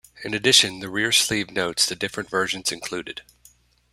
In addition, the rear sleeve notes the different versions included.